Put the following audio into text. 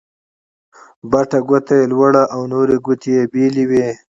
بټه ګوته يي لوړه او نورې ګوتې يې بېلې وې.